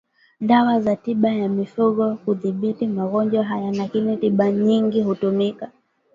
dawa za tiba ya mifugo kudhibiti magonjwa haya lakini tiba nyingi hutumika